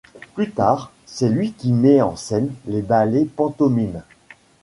Plus tard, c'est lui qui met en scène les ballets-pantomimes.